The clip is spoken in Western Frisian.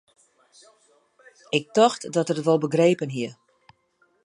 Ik tocht dat er it wol begrepen hie.